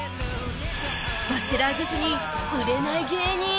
『バチェラー』女子に売れない芸人